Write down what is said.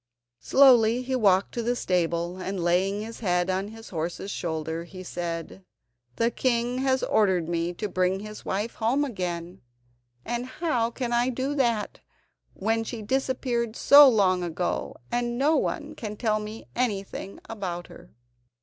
Slowly he walked to the stable, and laying his head on his horse's shoulder, he said: "The king has ordered me to bring his wife home again, and how can I do that when she disappeared so long ago, and no one can tell me anything about her?"